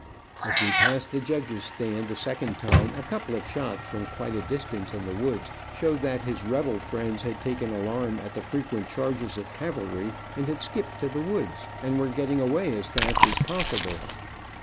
As we passed the judge's stand the second time a couple of shots from quite a distance in the woods showed that his rebel friends had taken alarm at the frequent charges of cavalry, and had skipped to the woods and were getting away as fast as possible.